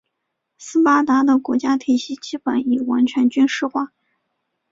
斯巴达的国家体系基本上已完全军事化。